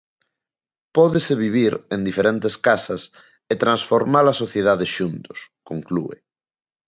"Pódese vivir en diferentes casas e transformar a sociedade xuntos", conclúe.